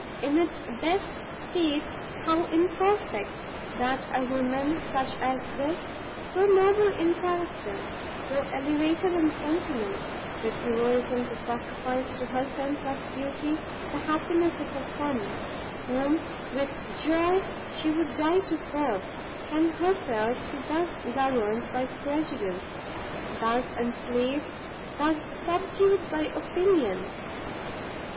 in its best state how imperfect! that a woman such as this, so noble in character, so elevated in sentiment, with heroism to sacrifice to her sense of duty the happiness of a son, whom with joy she would die to serve, can herself be thus governed by prejudice, thus enslaved, thus subdued by opinion!"